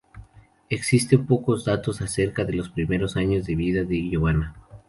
Existen pocos datos acerca de los primeros años de vida de Giovanna.